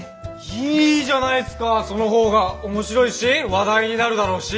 いいじゃないですかそのほうが面白いし話題になるだろうし。